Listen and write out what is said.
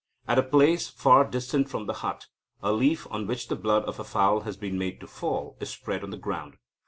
At a place far distant from the hut, a leaf, on which the blood of a fowl has been made to fall, is spread on the ground.